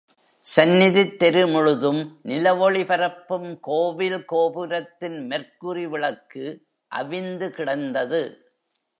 சந்நிதித் தெரு முழுதும் நிலவொளி பரப்பும் கோவில் கோபுரத்தின் மெர்க்குரி விளக்கு அவிந்து கிடந்தது.